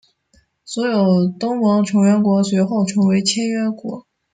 所有东盟成员国随后成为签约国。